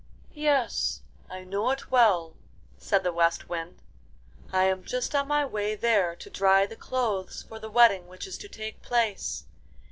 'Yes, I know it well,' said the West Wind. 'I am just on my way there to dry the clothes for the wedding which is to take place.